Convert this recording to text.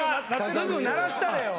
すぐ鳴らしたれよ。